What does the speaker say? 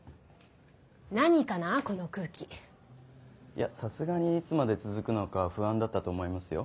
いやさすがにいつまで続くのか不安だったと思いますよ。